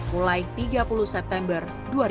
mulai tiga puluh september dua ribu dua puluh